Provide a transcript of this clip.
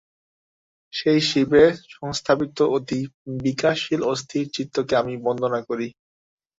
সেই শিবে সংস্থাপিত অতি বিকারশীল অস্থির চিত্তকে আমি বন্দনা করি।